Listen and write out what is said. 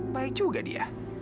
baik juga dia